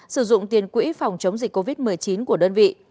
sử dụng tiền quỹ phòng chống dịch covid một mươi chín của đơn vị